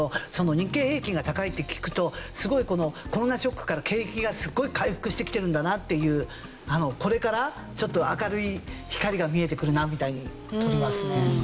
日経平均が高いって聞くとすごいこのコロナショックから景気がすごい回復してきてるんだなっていうこれからちょっと明るい光が見えてくるなみたいに取りますね。